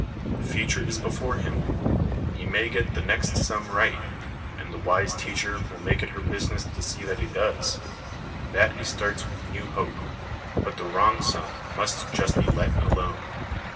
The future is before him : he may get the next sum right, and the wise teacher will make it her business to see that he does, and that he starts with new hope. But the wrong sum must just be let alone.